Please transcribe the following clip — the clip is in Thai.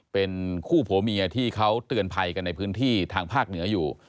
เป็นคู่ผัวเมียที่เขาเตือนภัยกันในพื้นที่ทางภาคเหนืออยู่